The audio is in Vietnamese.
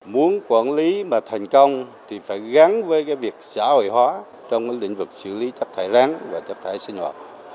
muốn quản lý mà thành công thì phải gắn với cái việc xã hội hóa trong lĩnh vực xử lý chất thải rắn và chất thải sinh hoạt